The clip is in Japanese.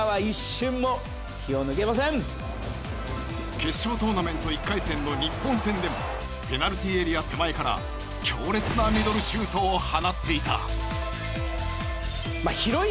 決勝トーナメント１回戦の日本戦でもペナルティーエリア手前から強烈なミドルシュートを放っていた。